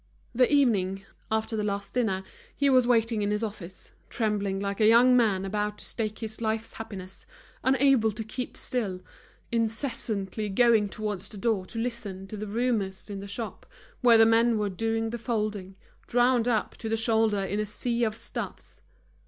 The evening, after the last dinner, he was waiting in his office, trembling like a young man about to stake his life's happiness, unable to keep still, incessantly going towards the door to listen to the rumors in the shop, where the men were doing the folding, drowned up to the shoulder in a sea of stuffs.